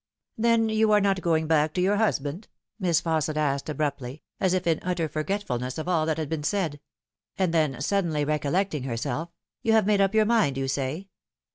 " Then you are not going back to your husband ?" Miss Fausset asked abruptly, as if in utter forgetfulness of all that had been said ; and then suddenly recollecting herself, " you have made up your mind, you say.